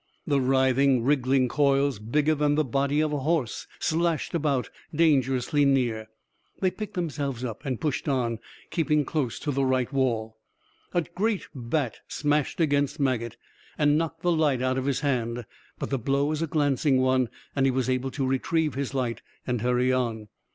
The writhing, wriggling coils, bigger than the body of a horse, slashed about, dangerously near. They picked themselves up, and pushed on, keeping close to the right wall. A great bat smashed against Maget, and knocked the light out of his hand, but the blow was a glancing one, and he was able to retrieve his light and hurry on.